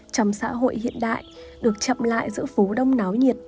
trong xã hội hiện đại được chậm lại giữa phố đông náo nhiệt